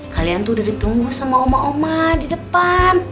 kalian tuh udah ditunggu sama oma oma di depan